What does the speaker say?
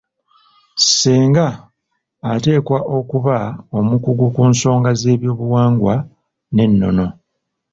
Ssenga ateekwa okuba omukugu ku nsonga z'eby'obuwangwa n'ennono.